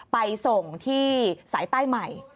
ไปส่งที่สายใต้ใหม่